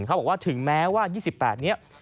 เขาบอกว่าถึงแม้ว่า๒๘นี้